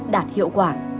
đạt hiệu quả